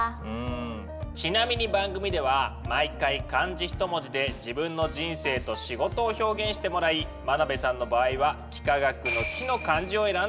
ちなみに番組では毎回漢字一文字で自分の人生と仕事を表現してもらい真鍋さんの場合は幾何学の「幾」の漢字を選んだんです。